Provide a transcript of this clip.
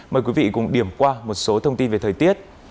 mời quý vị cùng điểm qua một số thông tin về thời tiết